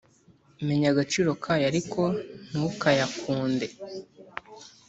menya agaciro kayo ariko ntukayakunde